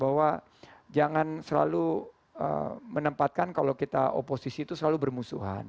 dan tentunya itu kita harus mulai berpikir bahwa jangan selalu menempatkan kalau kita oposisi itu selalu bermusuhan